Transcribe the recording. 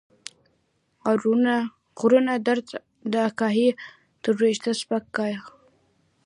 غرونه درد داګاهي تر ويښته سپک کا